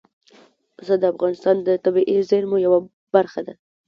پسه د افغانستان د طبیعي زیرمو یوه برخه ده.